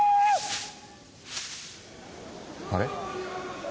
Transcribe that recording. あれ？